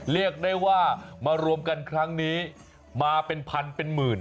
เรียกได้ว่ามารวมกันครั้งนี้มาเป็นพันเป็นหมื่น